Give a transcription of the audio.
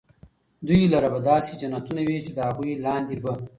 دوى لره به داسي جنتونه وي چي د هغو لاندي به